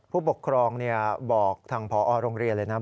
ผู้ปกครองบอกทางพอโรงเรียนเลยนะ